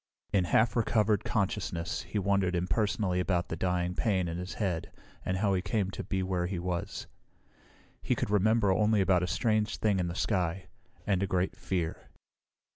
In half recovered consciousness he wondered impersonally about the dying pain in his head and how he came to be where he was. He could remember only about a strange thing in the sky, and a great fear.